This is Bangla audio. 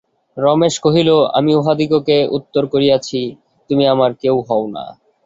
রমেশ কহিল, আমি উহাদিগকে উত্তর করিয়াছি, তুমি আমার কেউ হও না।